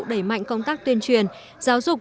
đẩy mạnh công tác tuyên truyền giáo dục